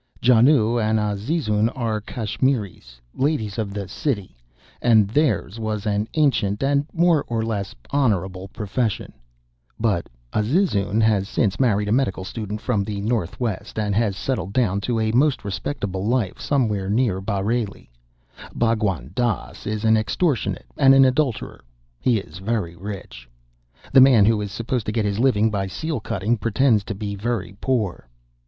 Janoo and Azizun are Kashmiris, Ladies of the City, and theirs was an ancient and more or less honorable profession; but Azizun has since married a medical student from the Northwest and has settled down to a most respectable life somewhere near Bareilly. Bhagwan Dass is an extortionate and an adulterator. He is very rich. The man who is supposed to get his living by seal cutting pretends to be very poor.